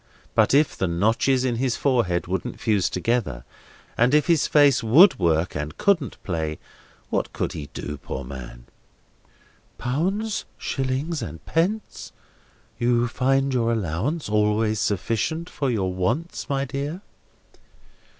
But if the notches in his forehead wouldn't fuse together, and if his face would work and couldn't play, what could he do, poor man! "'Pounds, shillings, and pence.' You find your allowance always sufficient for your wants, my dear?"